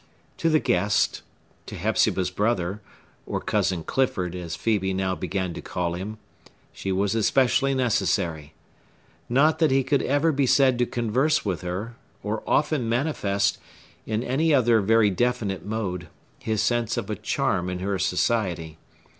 To the guest,—to Hepzibah's brother,—or Cousin Clifford, as Phœbe now began to call him,—she was especially necessary. Not that he could ever be said to converse with her, or often manifest, in any other very definite mode, his sense of a charm in her society.